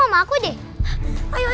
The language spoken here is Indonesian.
gestur urutan semua